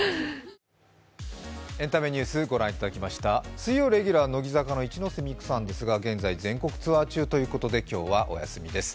水曜レギュラー乃木坂の一ノ瀬美空さんですが現在全国ツアー中ということで今日はお休みです。